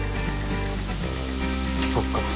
そっか。